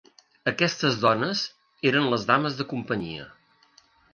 Aquestes dones eren les Dames de Companyia.